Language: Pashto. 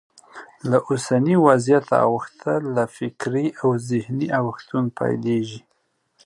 له اوسني وضعیته اوښتل له فکري او ذهني اوښتون پیلېږي.